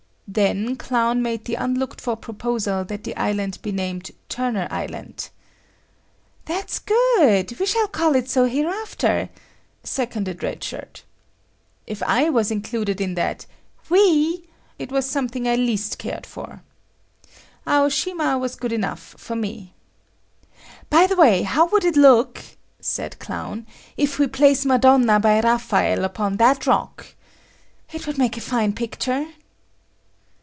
Then Clown made the unlooked for proposal that the island be named Turner Island. "That's good. We shall call it so hereafter," seconded Red Shirt. If I was included in that "We," it was something I least cared for. Aoshima was good enough for me. "By the way, how would it look," said Clown, "if we place Madonna by Raphael upon that rock? It would make a fine picture."